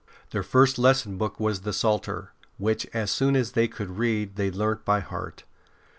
Their first lesson book was the Psalter, which, as soon as they could read, they learnt by heart.